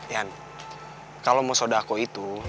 yan kalau mau sodako itu